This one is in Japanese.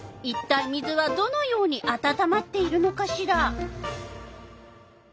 いったい水はどのようにあたたまっているのかしら。